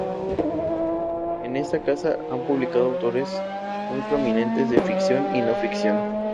En esta casa han publicado autores muy prominentes de ficción y no ficción.